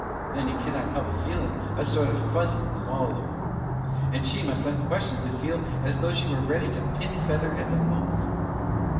then he cannot help feeling a sort of furziness all over! and she must unquestionably feel as though she were ready to pin feather at the moment.